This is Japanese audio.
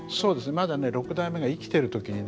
まだ六代目がね生きてる時にね